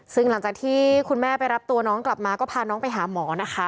ซึ่งหลังจากที่คุณแม่ไปรับตัวน้องกลับมาก็พาน้องไปหาหมอนะคะ